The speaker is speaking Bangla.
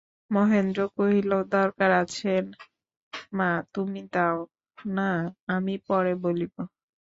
মহেন্দ্র কহিল, দরকার আছে মা, তুমি দাও-না, আমি পরে বলিব।